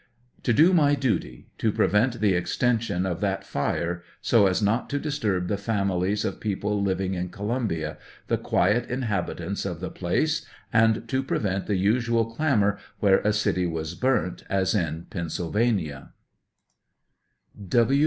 To do my duty to prevent the extension of that fire, 80 as not to disturb the families of people living in Columbia, the quiet inhabitants of the place, and to prevent the usual clamor where a city was burnt, as in Pennsylvania.